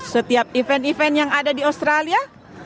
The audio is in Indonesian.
setiap event event yang ada di australia